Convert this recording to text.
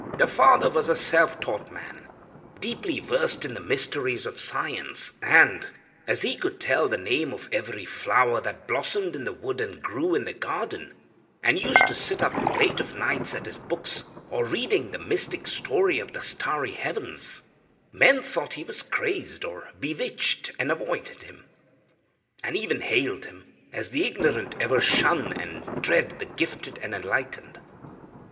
"The father was a self taught man, deeply versed in the mysteries of science, and, as he could tell the name of every flower that blossomed in the wood and grew in the garden, and used to sit up late of nights at his books, or reading the mystic story of the starry heavens, men thought he was crazed or bewitched, and avoided him, and even hated him, as the ignorant ever shun and dread the gifted and enlightened.